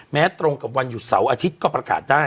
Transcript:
แม้ตรงวันอยู่เสาร์อาทิตย์ก็ประกาศได้